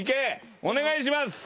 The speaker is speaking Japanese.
お願いします。